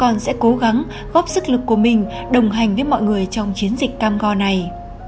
con sẽ cố gắng góp sức lực của mình đồng hành với mọi người trong chiến dịch cam go này